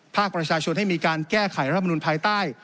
ภาคประชาชนให้มีการแก้ไขรัฐมนุนภายใต้